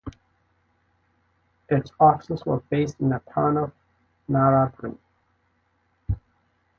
Its offices were based in the town of Narrabri.